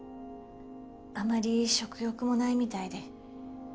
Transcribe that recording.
あまり食欲もないみたいで。